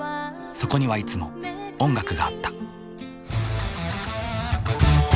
そこにはいつも音楽があった。